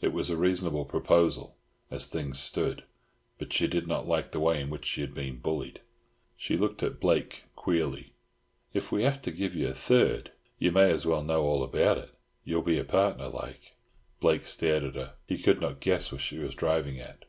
It was a reasonable proposal, as things stood; but she did not like the way in which she had been bullied. She looked at Blake queerly. "If we have to give ye a third, ye may as well know all about it. Ye'll be a partner like." Blake stared at her. He could not guess what she was driving at.